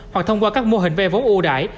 hoặc thông qua các mô hình vay vốn ưu đại